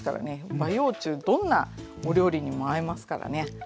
和洋中どんなお料理にも合いますからね。